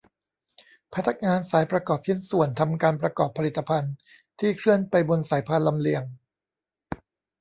พนักงานสายประกอบชิ้นส่วน ทำการประกอบผลิตภัณฑ์ ที่เคลื่อนไปบนสายพานลำเลียง